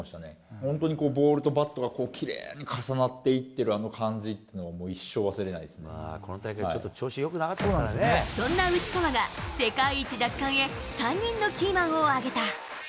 本当にボールとバットがきれいに重なっていってるあの感じっていそんな内川が、世界一奪還へ３人のキーマンを挙げた。